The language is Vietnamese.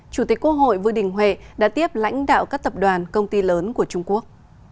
chủ tịch quốc hội vương đình huệ đã tiếp lãnh đạo các tập đoàn công ty lớn của trung quốc